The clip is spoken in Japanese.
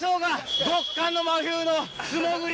極寒の真冬の素潜り！